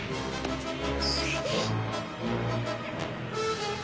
うっ。